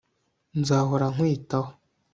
Nzahora nkwitaho